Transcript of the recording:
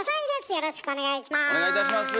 よろしくお願いします。